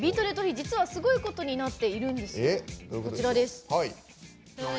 実はすごいことになっているんです。